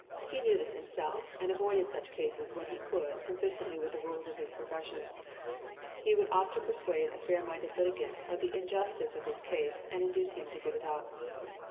He knew this himself, and avoided such cases when he could consistently with the rules of his profession. He would often persuade a fair minded litigant of the injustice of his case and induce him to give it up.